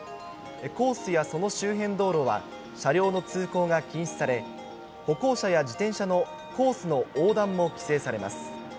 コースやその周辺道路は、車両の通行が禁止され、歩行者や自転車のコースの横断も規制されます。